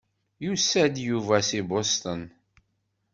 Yusa-d Yuba si Boston.